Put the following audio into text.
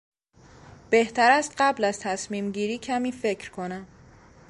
بهتر است قبل از تصمیمگیری کمی فکر کنم.